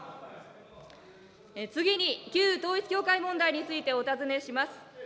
次に、旧統一教会問題についてお尋ねします。